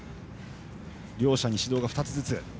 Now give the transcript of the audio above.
両者に指導が２つずつ。